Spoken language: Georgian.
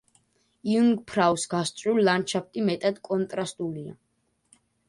იუნგფრაუს გასწვრივ ლანდშაფტი მეტად კონტრასტულია.